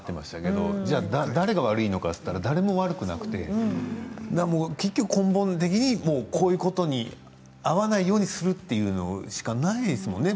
ぐるっと回っていましたけれど誰が悪いのかと言ったら誰も悪くなくて根本的にこういうことに遭わないようにするということしかないですよね。